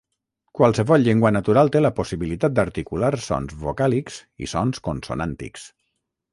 Qualsevol llengua natural té la possibilitat d'articular sons vocàlics i sons consonàntics.